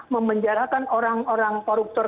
memenjarakan orang orang koruptor